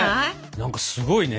何かすごいね。